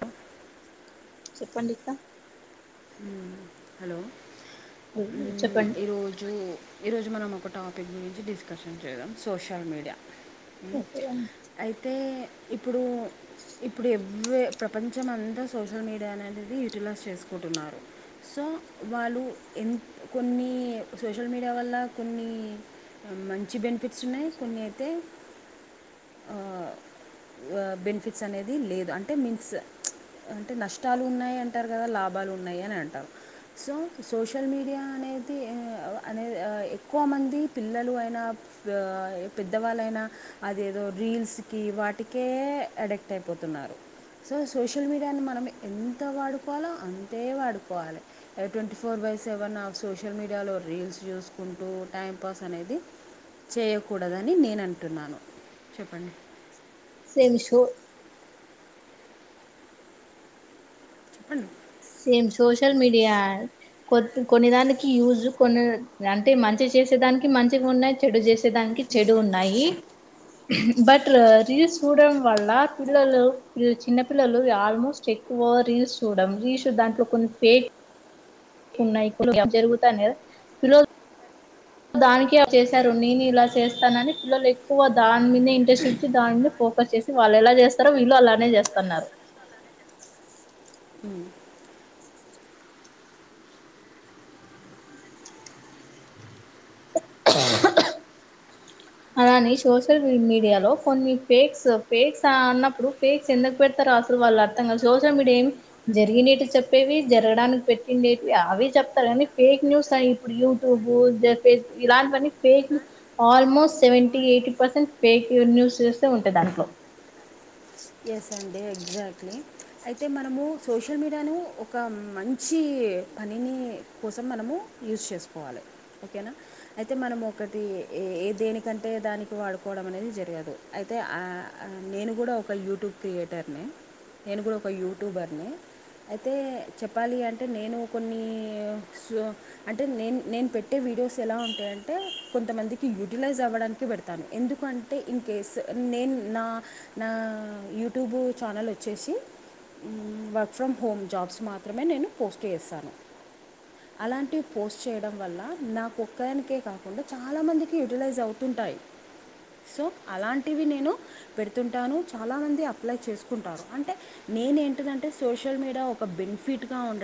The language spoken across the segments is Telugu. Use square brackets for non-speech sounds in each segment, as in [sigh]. ఆ చెప్పండి ఇకా ఉమ్ హలో చెప్పండి ఈరోజు ఈరోజు మనం ఒక టాపిక్ గురించి డిస్కషన్ చేద్దాం సోషల్ మీడియా ఓకే అయితే ఇప్పుడు ఇప్పుడు ఇవ్వే ప్రపంచమంతా సోషల్ మీడియా అనేది యూటిలైజ్ చేసుకుంటున్నారు సో వాళ్ళు ఎ కొన్ని సోషల్ మీడియా వల్ల కొన్ని మంచి బెనిఫిట్స్ ఉన్నాయి కొన్ని అయితే ఆ బెనిఫిట్స్ అనేది లేదు అంటే మిన్స్ అంటే నష్టాలు ఉన్నాయి అంటారు కదా లా ఉన్నాయి అని అంటారు సో సోషల్ మీడియా అనేది అనే ఎక్కువ కొంతమంది పిల్లలు అయినా పెద్దవాళ్ళైనా అదిేదో రీల్స్కి వాటికి కే అడిక్ట్ అయిపోతున్నారు సో సోషల్ మీడియాని మనం ఎంత వాడుకోవాలో అంత ే వాడుకోవాలి ట్వంటీ ఫోర్ బై సెవెన్ ఆ సోషల్ మీడియాలో రీల్స్ చూసుకుంటూ టైం పాస్ అనేది చేయకూడదని నేను అంటున్నాను చెప్పండి సేమ్ షోర్ చెప్పండి సేమ్ సోషల్ మీడియా కొ కొన్ని దానికి యూజ్ కొన్ని అంటే మంచిగ చేసేదానికి మంచిగా ఉన్నాయి చెడు చేసేదానికి నికి చెడు ఉన్నాయి బట్ రీల్స్ చూడడం వల్ల పిల్లలు చిన్న పిల్లలు ఆల్మోస్ట్ ఎక్కువ రీల్స్ చూడం రీల్స్ దాంట్లో కొన్ని ఫేక్ న్నాయి జరుగుతుంది. కదా విలో దానికి చేశారు నేను ఇలా చేస్తానని పిల్లలు ఎక్కువ దాని మీదె ఇంట్రెస్ట్ చూపించి దానిమీ పో కస్ చేసి వాళ్ళు ఎలా చేస్తారో వీళ్ళు అలానే చేస్తున్నారు ఉమ్ అలాని సోషల్ మీడియాలో కొన్ని ఫేక్స్ ఫేక్స్ అన్నప్పుడు ఫేక్స్ ఎందుకు పెడతారు అసలు వాళ్ళు అర్థం కాదు సోషల్ మీడియా ఏమి జరిగినేట్రివి చెప్పేవి జరగడానికి పెట్టిండేటివి అవి చెప్ప ఫేక్ న్యూస్ ఇప్పుడు యూట్యూబ్ ఫేస్బుక్ ఇలా fake news almost seventy eighty percent fake newses ఉంటాయి దాంట్లో ఎస్ అండి ఎగ్జాక్ట్ లీ అయితె మనమ సోషల్ మీడియాను ఒక మంచి పనిని కోస మన యూస్ చేసుకోవాలి ఓకేనా అయితే మనం ఒకటి దేనికంటే దా వాడుకోవడం అనేది జరిగదు అయితే అ ఆ నేను కూడ ఒక యూట్యూబ్ క్రియేటర్ని నేను కూడ ఒక యూట్యూబర్ని అయితే చెప్పాలి అంటే నేను కొన్ని అంటే నే నేను పెట్టే వి వీడియోస్ ఎలా ఉంటాయంటే కొంతమందికి యూటిలైజ్ అవ్వడానికి పెడతాను ఎందుకంటే ఇన్ కేస్ నేను నా నా యూట్యూబు ఛానల్ వచ్చేసి వర్క్ ఫ్రమ్ హోమ్ జాబ్స్ మాత్రమే నేను పోస్ట్ చేస్తాను అలాంటివి పోస్ట్ చేయడం వల్ల నాక్ ఒక్కదానికే కాకుండ చాలా మందికి యూటిలైజ్ అవుతు ఉంటాయి, సో అలాంటివి నేను పెడుతుంటాను, చాలామంది అప్లై చేసుకుంటారు, అంటే నేను ఏంటిదంటే సోషల్ మీడియా ఒక బెనిఫిట్గా ఉండ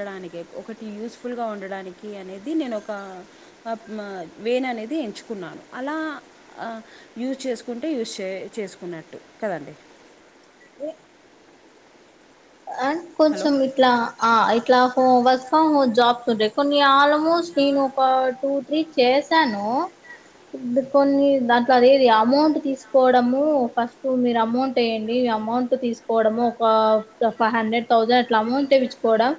ఒకటి యూస్ ఫుల్ గా ఉండడానికి అనేది నేనుఒక వెన్ అనేది, ఎంచుకున్నాను అలా యూస్ చేస్కుంటూ యూస్ చేసుకున్నటు, కదండి అం హలో కొంచం ఇట్లా ఆయి ఇట్లా వర్క్ ఫ్రొం హోమ్ జాబ్స్ ఉంటాయి, కొన్ని ఆల్మోస్ట్ నేను ఒక టూ త్రీ చేసాను, ను ఇది కొన్ని దాంట్లో అదేది అమౌంట్ తీసుకోవడము, ఫస్ట్ మీరు అమౌంట్ ఎయండి, అమౌంట్ తీసుకోవడం ఒక ఫైవ్ హండ్రెడ్ తౌసండ్ అట్లా అమౌంట్ తెచ్చుకోవడం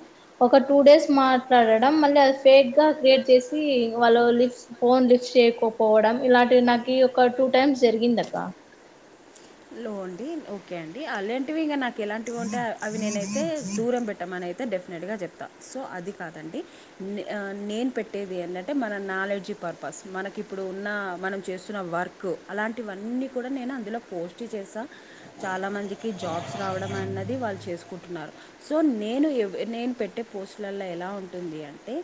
ఒక టూ డేస్ మాట్లాడడం, మళ్ళీ అది ఫేక్ గా క్రియేట్ చేసి వాళ్ళు లిఫ్ట్ ఫోన్ లిఫ్ట్ చేయకపోవడం ఇలాంటి నాకు ఒక టూ టైమ్స్ జరిగింది, అక్క లో అండి ఓకే అండి అలాంటివి ఇంగా నాక్ ఎలాంటివింటే అవి నేనైతే దూరం పెట్టామని అయితే డెఫ అట్గా చెప్తా సో అది కాదండి నేను పెట్టేది, ఎదన్నంటే మన నాలెడ్జీ పర్పస్ మనకి ఇప్పుడు ఉన్న మనం చేస్తున్న వర్క్ అలాంటివన్నీ కూడా నేను అందులో పోస్ చేస్తా చాలా మందికి జాబ్స్ రావడం, అన్నది వాళ్ళు చేసుకుంటున్నారు, సో నేను నే పెట్టే పోస్ట్ల ఎలా ఉంటుంది అంటే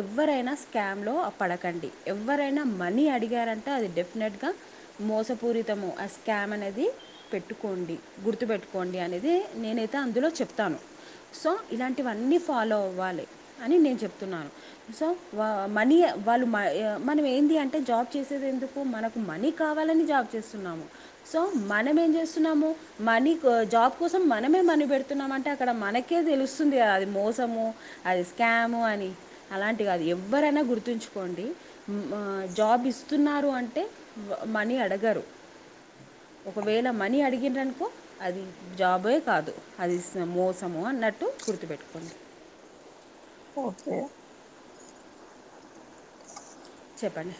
ఎవరైనా స్కాంలో పడక్ కండి ఎవరైనా మనీ అడిగారంటే అది డెఫినెట్గా మోసపూరితము అస్ క్యామ్ అనేది పెట్టుకోండి గుర్తుపెట్టుకోండి, అనేది నేనైతే అందులో చెప్తాను, సో ఇలాంటివన్నీ ఫాలో అవ్వాలి, అని నేను చెప్తున్నాను సో మనీ వాళ్ళు మనం ఏంది అంటే జాబ్ చేసేది ఎందుకు మనకు మనీ కావాలని జాబ్ చేస్తున్నాము, సో మనం ఏమి చేస్తున్నాము మనీ జాబ్ కోసం మనమే మనీ పెడుతున్నాం, అంటే అక్కడ మనకే తెలుస్తుంది గదా అది మోసము అది స్కాము అని అలాంటివి అది ఎవరైనా గుర్తుంచుకో కొండి జాబ్ ఇస్తున్నారు, అంటే మనీ అడగరు [inaudible] ఒకవేళ మనీ అడిగిరనుకో, అది జాబే కాదు అది మోసము అన్న న్నట్టు గుర్తుపెట్టుకోండి ఓకే చెప్పండి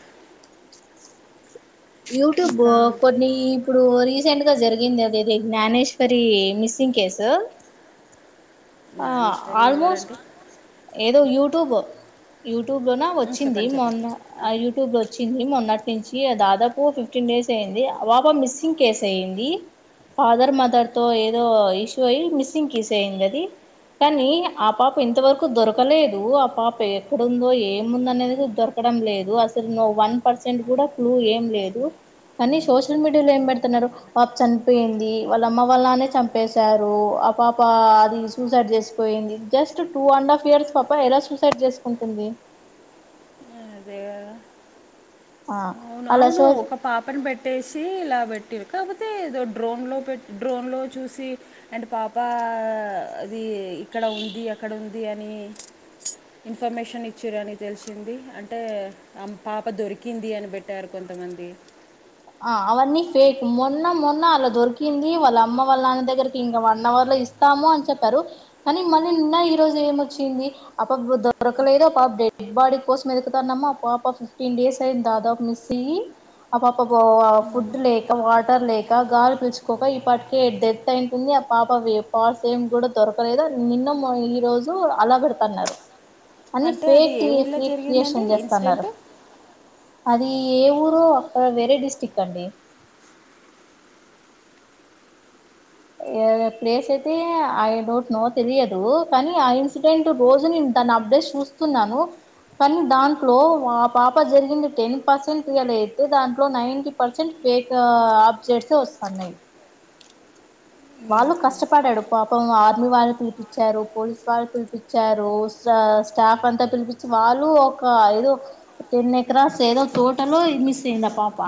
యూట్యూబ్ ఇంకా కొన్ని ఇప్పుడు రీసెంట్ గా జరిగి ది జ్ఞానేేశ్వరి మిస్సింగ్ కేసు ఆ జ్ఞానేశ్వరి ఆల్మోస్ట్ ఎవరండి ఏదో యూట్యూబ్ యు యూట్యూబ్ లో ఉమ్, వచ్చింది, చెప్పండి చెప్పండి మొన్న యూట్యూబ్ లో వచ్చింది, మొన్నటి నుంచి దాదాపు ఫిఫ్టీన్ డేస్ అయింది, పాప మిస్సింగ్ కేస్ అయింది, ఫాదర్ మదర్ తో ఏ ఏదో ఇష్యూ అయ్యి మిస్సింగ్ కేసు అయింది అది కానీ ఆ పాప ఇంతవరకు దొరకలేదు, ఆ పాప ఎక్కడుందో ఏముందో అనేది దొరక, దోరకడం లేదు అసలు ను్ వన్ పర్సెంట్ కూడా క్లూ ఏం లేదు, కానీ సోషల్ మీడియాలో ఏం పెడుతున్నారు, పా ప చనిపోయింది, వాళ్ళ అమ్మ వాళ్ళనాన్న నే చంపేశారు, అ పాప అది సూసైడ్ చేసిపోయింది, just two and half years పాప ఎలా సూసైడ్ చేసుకుంటుంది, అదే కదా ఆ అలా సో నువ్వు ఒక పాపను పెట్టేసి ఇలా పెట్ కాకపోతే ఏదో డ్రోన్లో పెట్ డ్రోన్లో చూసి అండ్ పాప ఇది ఇక్కడ ఉంది, అక్కడ ఉంది అని ఇన్ఫర్మేషన్ ఇచ్చిరని తెలిసింది, అంటే ఆ పాప దొరికింది అని పెట్టారు, కొంతమంది ఆ అవన్నీ ఫేక్ మొన్న మొన్న అలా దొరికింది, వాళ్ళ అమ్మ వాళ్ళ నాన్న దగ్గరికి ఇంగా వన్ అవర్ లో ఇస్తాము అని చెప్పారు, కానీ మళ్ళి నిన్న ఈ రోజు ఏమొచ్చింది అపాప దొరకలేదు, ఆ పాప డెడ్ బాడి కోసం ఎతుకుతానము, ఆ పాప ఫిఫటీన్ డేస్ అయింది, దాదాపు మిస్ అయి పాప ఫుడ్ లేక వాటర్ లేక గాలి పిలుచుకోక ఇప్పటికే డెత్ అయింటుంది ఆ పాప వ పార్స్ ఏం గూడా దొరకలేదు నిన్న ఈ రోజు అలా పెడతున్నారు అని అంటే అది ఫేక్ ఏ న్యూస్ ఊర్లో ఫేక్ న్యూస్ జరిగిందండి అని చేస్తన్నారు ఇన్సిడెంట్ అది ఏ ఊరో అక్కడ వేరే డిస్టి్రిక్ అండి ప్లేస్ అయితే ఐ డోంట్ నో తెలియదు కానీ ఆ ఇన్సిడెంట్ రోజు నీను దాని అప్డేట్ చూస్తున్నాను కానీ దాంట్లో ఆ పాప జరిగింది టెన్ పర్సెంట్ రియల్ అయితే దాంట్లో నైన్టీ పర్సెంట్ ఫెక్ ఆబ్జెట్స్ వస్తన్నాయ్ వాళ్ళు కష్టపడ్డడు పాపం ఆర్మీ వాళ్ళని పిలిపించారు పోలీసు వాళ్ళు పిలిపించారు స్టాఫ్ అంతా పిలిపించి వాళ్ళు ఒక ఏదో టెన్ ఎక్రాస్ ఏదో తోటనో చిన్న పాప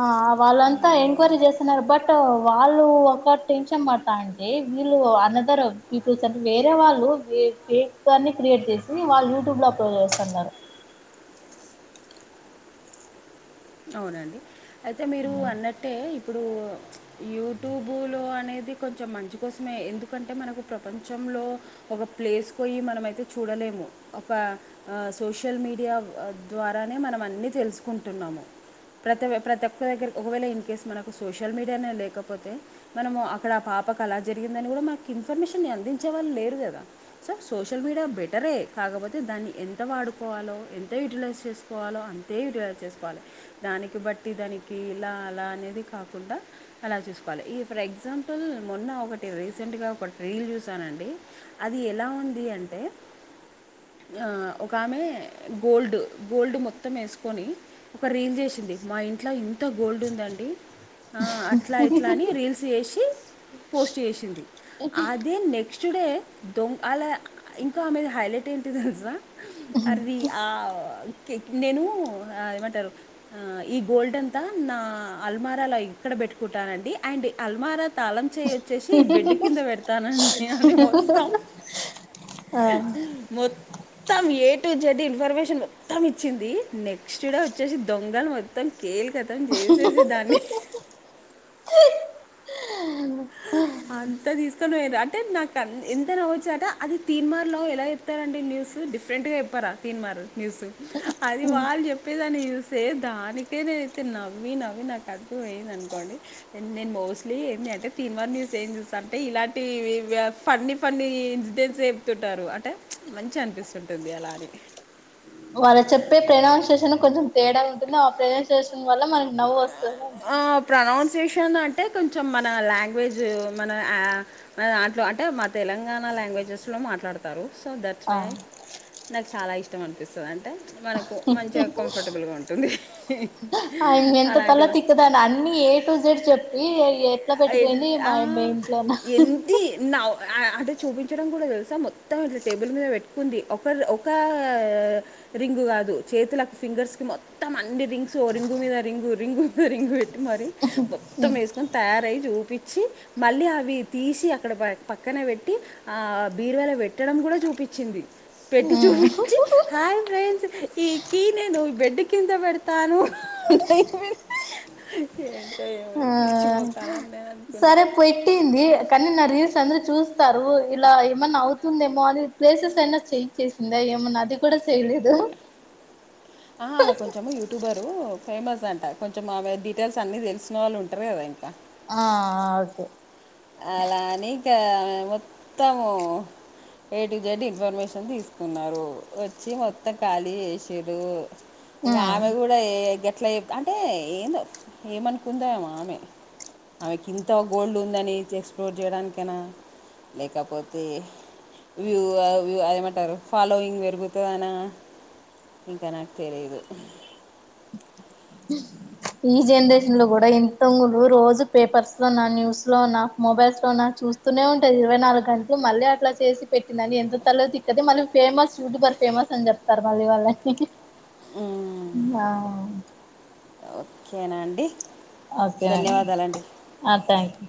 ఆ వాళ్ళంతా ఎంక్వైరీ చేస్తున్నారు బట్ ట్ వాళ్ళు ఒక టెన్షన్ బడుతంటే వీళ్ళు అనదర్ పీపుల్స్ అంటే వేరే వాళ్ళు లు ఈ ఫేక్ న్యూస్ క్రియేట్ చేసి వాళ్ళు యూట్యూబ్ లో అప్లో చేస్తన్నారు అవునండి అయితే మీరు అన్నట్టే ఇప్పుడు యూట్యూబులో అనేది కొంచెం మంచి కోసమే ఎందుకంటే మనకు ప్రపంచం లో ఒక ప్లేస్ పోయి మనైతే చూడలేము ఒక సోషల్ మీడియా ద్వారానే మనం అన్నీ తెలుసుకుంటున్నాము ప్రతి ప్రతి ఒక్క దగ్గర ఒకవేళ ఇన్ కేస్ మనకు సోషల్ మీడియానే లేకపోతే మనము అక్కడ పాపకు అలా జరిగిందని కూడా మాకు ఇన్ఫర్మేషన్ అందించే వాళ్ళు లేదు కదా సో సోషల్ మీడియా బెటరే కాపోతే దన్ని ఎంత వాడుకోవాలో ఎంత యుటిలైస్ చేసుకోవాలో అంతే యుటిలైస్ చేసుకోవాలి దానికి బట్టి దానికి ఇలా అలా అనేది కాకుండా అలా చూసుకోవాలి ఈ ఫర్ ఎగ్జాంపుల్ నే మొన్న ఒకటి రీసెంట్గా ఒకటి రీల్ చూసానండి అది ఎలా ఉంది అంటే ఆ ఒక ఆమె గోల్డ్ గోల్డ్ మొత్తం వేసుకొని ఒక రీల్ చేస్ వచ్చింది మా ఇంట్ల ఇంత గోల్డ్ ఉందండి అట్లా ఇట్లా అని రీల్స్ చేసి పోస్ట్ చేసింది అదే నెక్స్ స్ట్ డే దో అలా ఇంకా ఆమేది హైలైట్ ఏంటిది తెలుసా అర్రి ఆ క్ నేను ఏమంటారు ఈ గోల్డ్ అంతా నా అల్మారాల ఇక్కడ పెట్టుకుంటానండి అండ్ అల్మారా తాళం చెయ్ వచ్చేసి ఈ బిడ్ కింద పెడుతానండి అని మొత్తం ఆ మొత్తం ఏ టు జడ్ ఇన్ఫర్మేషన్ మొత్తం ఇచ్చింది నెక్స్ట్ వచ్చేసి దొంగలు మొత్తం కేల్ కతం చేసేసి దాన్ని అంతా తీసుకొని పోఇర్రు అంటే నాకు ఎంత అవ్వచ్చట అది తీన్మార్లో ఎలా చెప్తారంటే న్యూస్ డిఫరెంట్ గా చెప్పారా తీన్మార్ న్ూస్ అది వాళ్ళు చెప్పేదాని న్యూసే దానికే నేనైతే నవ్వి నవ్వి నాకు పోఇందనుకొండి నేను మోస్ట్లీ ఏందీ అంటే తిన్మర్ న్యూస్ ఏం చూస్త అంటే ఇలాంటి ఫన్నీ ఫన్నీ ఇన్సిడెంట్స్ చెప్తుంటారు అంటే మంచిగనిపిస్తుంటుంది అలా అని వాళ్ళు చెప్పే ప్రనౌన్సియేషన్ కొంచెం తేడా ఉంటుంది ఆ ప్రనౌన్సియేషన్ వల్ల మనకి నవ్వొస్ ఆ ప్రనౌన్సేషన్ గాన అంటే కొంచెం మన లాంగ్వేజ్ మనఆ అట్లో అంటే మా తెలంగాణ లాంగ్వే వాంగ్వేజెస్లో మాట్లాడుతారు సో దట్స్ ఆ వై నాకు చాలా ఇష్టం అనిపిస్తది అంటే మనకు మంచిగా కంఫర్టబుల్గా ఉంటుంది ఆ ఎంత తల అలాంటివి తిక్కదాన్ని అన్నిీ ఏ టు జెడ్ చెప్పి ఎట్లా ఎన్- పెట్టుపోయింది ఆ, మా మీ ఇంట్లోనా అటు చూపించడం కూడా తెలుసా మొత్తం ఇట్లా టేబుల్ మీద పెట్టుకుంది ఒకరు ఒక రింగు కాదు చేతులకు ఫింగర్స్ కి మొత్తం అన్నీ రింగ్సు ఓ రింగు మీద రింగు రింగు మీద రింగు పెట్ట్ మరి మొత్తం ఏసుకొన్ తయారయ్యి చూపిచ్చి మళ్ళీ అవి తీసి అడన పక్కన పెట్టి ఆ బీరువా లో పెట్టడం కూడా చూపిచ్చింది పెట్టి చూపించి హాయ్ ఫ్రెండ్స్ ఈ కీ నేను బెడ్డు కింద పెడతాను ఏంటో ఏమో ఆ పిచ్చి మొకాలన్ సరే పొయ్ టింది కానీ నా రీల్స్ అందరూ చూస్తారు ఇలా ఏమన్నా అవు స్తుందేమో అని ప్లేసెస్ అన్నా చేంజ్ చేసిందా ఏమన్నా అది కూడా చేయలేదు టు ఫేమస్ అంట కొంచెం ఆమె డీటెయిల్స్ అన్నీ తెలిసిన వాళ్ళు ఉంటారు గదా ఆ ఆ ఓకే అలా అని ఇక మొత్తము ఏ టు జెడ్ ఇన్ఫర్మేషన్ తీసుకున్నారు వచ్చి మొత్తం ఖాళీ చేషిర్రు ఇగ ఆమె కూడా ఏ ఇగ ట్లైక్ అంటే ఏందో ఏమనుకుందో ఆమె ఆమెకి ఇంత గోల్డ్ ఉందని ఇచ్ ఎక్స్ప్లోర్ చేయడానికైనా లేకపోతే వ్యూ ఆ వ్యూ అదేమంటారు ఫాలోయింగ్ పెరుగుతది అనా ఇంకా నాకు తెలీదు ఈ జనరేషన్ లో కూడా ఇంతో ఊ రోజూ పేపర్స్ లోనా న్యూస్ లోనా మొబైల్స్ లోనా చూస్తూనే ఉంటాది ఇరవై నాలుగు గంటలూ మళ్ళీ అట్ల చేసి పెట్టిందండి ఎంత తల తిక్కది మళ్ళి ఫేమస్ యూట్యూబర్ ఫేమస్ అని చెప్తారు మళ్ళీ వాళ్లే మ్మ్. కేనా అండి ఓకే ధన్యవాదాలండి [inaudible] ఆ థ్యాంక్ యూ